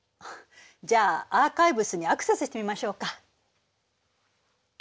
じゃあアーカイブスにアクセスしてみましょうか。